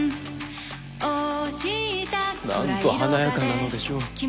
何と華やかなのでしょう。